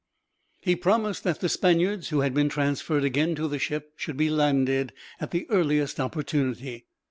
He promised that the Spaniards who had been transferred again to the ship should be landed, at the earliest opportunity.